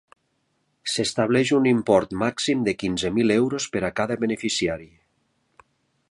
S'estableix un import màxim de quinze mil euros per a cada beneficiari.